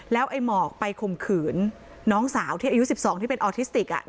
แล้วไอ้หมอกไปข่มขืนน้องสาวที่อายุ๑๒ที่เป็นออทิสติก